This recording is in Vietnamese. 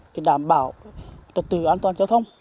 để đảm bảo trật tự an toàn giao thông